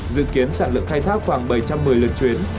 dự kiến sản lượng khai thác khoảng bảy trăm một mươi lượt chuyến